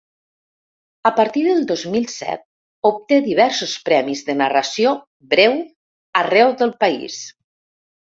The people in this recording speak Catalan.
A partir del dos mil set obté diversos premis de narració breu arreu del país.